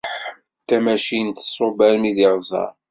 Tamacint tṣubb armi d iɣzer